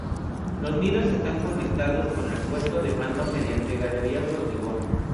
Los nidos están conectados con el puesto de mando mediante galerías de hormigón.